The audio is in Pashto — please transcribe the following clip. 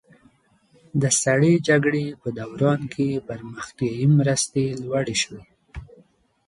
د سړې جګړې په دوران کې پرمختیایي مرستې لوړې شوې.